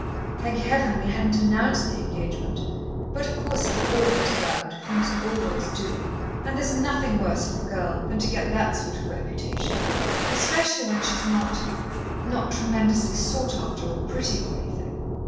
"Thank Heaven, we hadn't announced the engagement, but, of course, it will all get about things always do. And there's nothing worse for a girl than to get that sort of reputation, especially when she's not not tremendously sought after, or pretty or anything."